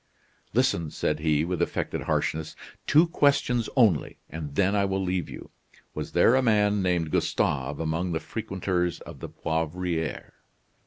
"Listen," said he, with affected harshness. "Two questions only, and then I will leave you. Was there a man named Gustave among the frequenters of the Poivriere?"